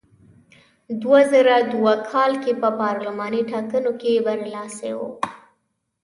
دوه زره دوه کال کې په پارلماني ټاکنو کې برلاسی و.